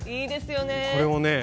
これをね